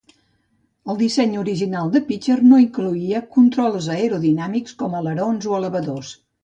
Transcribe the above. El disseny original de Pilcher no incloïa controls aerodinàmics com alerons o elevadors.